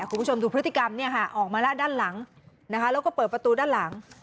คุณผู้ชมดูพฤติกรรมออกมาแล้วด้านหลังนะคะแล้วก็เปิดประตูด้านหลัง